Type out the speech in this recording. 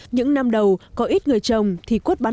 những năm đầu có ít người trồng thì quất bán